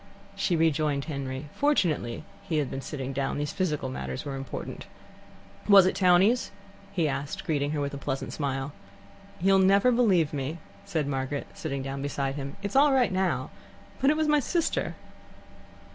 She rejoined Henry. Fortunately he had been sitting down: these physical matters were important. "Was it townees?" he asked, greeting her with a pleasant smile. "You'll never believe me," said Margaret, sitting down beside him. "It's all right now, but it was my sister."